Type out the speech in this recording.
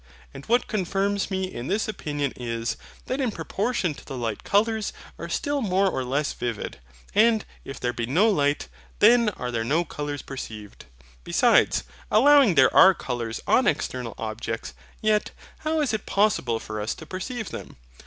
And what confirms me in this opinion is, that in proportion to the light colours are still more or less vivid; and if there be no light, then are there no colours perceived. Besides, allowing there are colours on external objects, yet, how is it possible for us to perceive them?